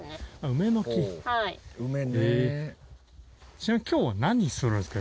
ちなみに今日は何するんですか？